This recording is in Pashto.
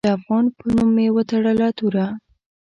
د افغان په نوم مې وتړه توره